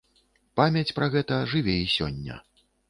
Памяць пра паэта жыве і сёння.